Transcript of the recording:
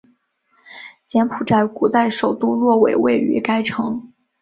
柬埔寨古代首都洛韦位于该城。